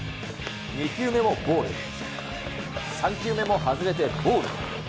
２球目もボール、３球目も外れてボール。